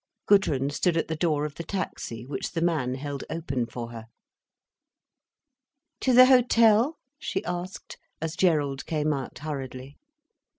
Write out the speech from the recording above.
Gudrun stood at the door of the taxi, which the man held open for her. "To the hotel?" she asked, as Gerald came out, hurriedly.